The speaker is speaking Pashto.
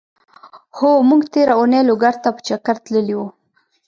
هو! مونږ تېره اونۍ لوګر ته په چګر تللی وو.